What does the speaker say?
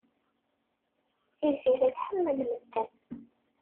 Tiziri tḥemmel medden.